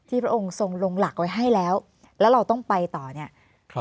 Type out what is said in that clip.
พระองค์ทรงลงหลักไว้ให้แล้วแล้วเราต้องไปต่อเนี่ยครับ